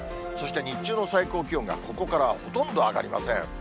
そして日中の最高気温がここからほとんど上がりません。